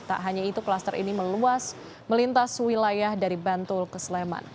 tak hanya itu klaster ini meluas melintas wilayah dari bantul ke sleman